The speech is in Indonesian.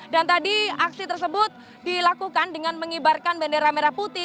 dan tadi aksi tersebut dilakukan dengan mengibarkan bendera merah putih